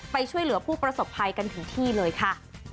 ไปช่วยเหลือผู้ประสบภัยกันถึงที่เลยค่ะ